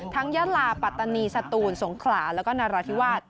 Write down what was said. ยาลาปัตตานีสตูนสงขลาแล้วก็นราธิวาส